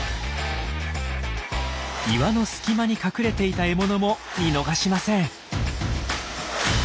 岩の隙間に隠れていた獲物も見逃しません。